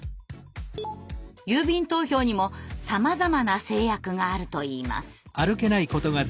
郵便投票にもさまざまな制約があるといいます。